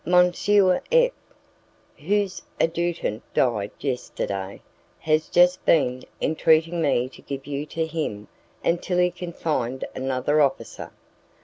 F , whose adjutant died yesterday, has just been entreating me to give you to him until he can find another officer.